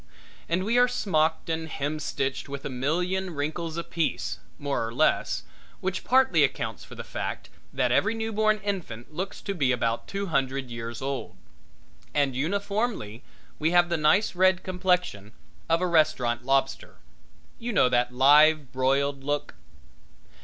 And we are smocked and hem stitched with a million wrinkles apiece, more or less, which partly accounts for the fact that every newborn infant looks to be about two hundred years old. And uniformly we have the nice red complexion of a restaurant lobster. You know that live broiled look?